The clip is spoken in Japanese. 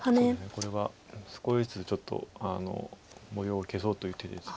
これは少しずつちょっと模様を消そうという手です。